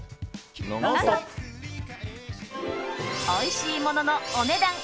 おいしいもののお値段